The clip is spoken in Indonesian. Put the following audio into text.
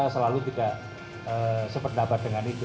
selalu tidak sependapat dengan itu